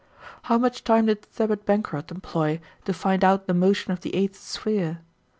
How much time did Thebet Benchorat employ, to find out the motion of the eighth sphere?